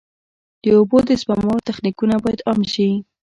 د اوبو د سپما تخنیکونه باید عام شي.